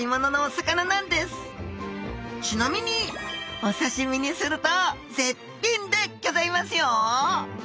ちなみにお刺身にすると絶品でギョざいますよ！